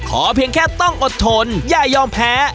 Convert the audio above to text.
เพียงแค่ต้องอดทนอย่ายอมแพ้